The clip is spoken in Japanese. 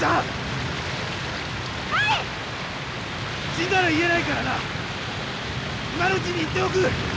死んだら言えないからな今のうちに言っておく！